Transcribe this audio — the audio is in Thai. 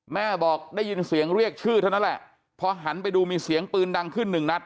แม่บอกได้ยินเสียงเรียกชื่อเท่านั้นแหละพอหันไปดูมีเสียงปืนดังขึ้นหนึ่งนัด